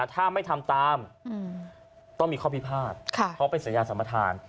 ถ้าไม่ทำตามต้องมีข้อพิพาทเพราะเป็นสัญญาสัมประธาน